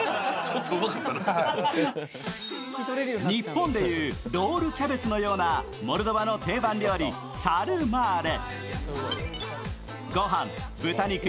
日本でいうロールキャベツのようなモルドバの郷土料理、サルマーレ。